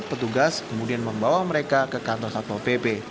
petugas kemudian membawa mereka ke kantor satpol pp